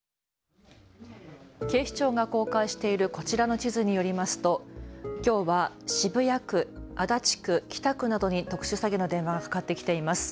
警視庁が公開しているこちらの地図によりますときょうは渋谷区、足立区、北区などに特殊詐欺の電話がかかってきています。